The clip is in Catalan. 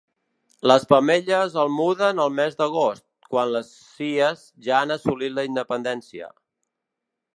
Les femelles el muden al mes d'agost, quan les cies ja han assolit la independència.